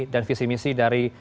dan visi misi dari